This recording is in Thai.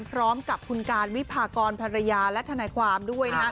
พร้อมกับคุณการวิพากรภรรยาและธนาความด้วย